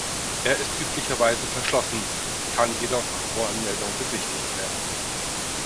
Er ist üblicherweise verschlossen, kann jedoch nach Voranmeldung besichtigt werden.